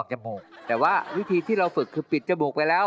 หัวใจที่จริง